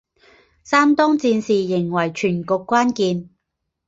山东战事仍为全局关键。